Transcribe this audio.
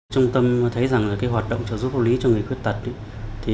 trung tâm thấy rằng hoạt động trợ giúp pháp lý cho người khuyết tật